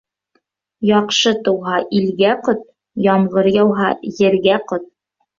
Яҡшы тыуһа, илгә ҡот, ямғыр яуһа, ергә ҡот.